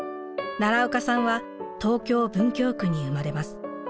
奈良岡さんは東京・文京区に生まれます。